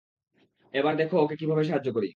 এবার দেখো ওকে কীভাবে সাহায্য করি।